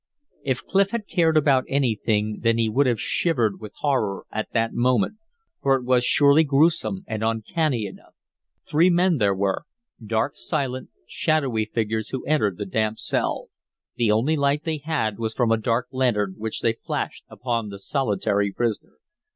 If Clif had cared about anything then he would have shivered with horror at that moment, for it was surely gruesome and uncanny enough. Three men there were, dark, silent, shadowy figures who entered the damp cell. The only light they had was from a dark lantern, which they flashed upon the solitary prisoner.